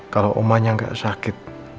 kalau omahnya gak sakit